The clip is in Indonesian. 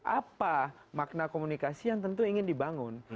apa makna komunikasi yang tentu ingin dibangun